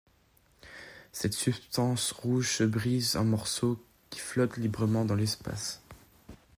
Cette substance rouge se brise en morceaux qui flottent librement dans l’espace.